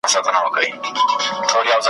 پر چمن باندي له دریو خواوو `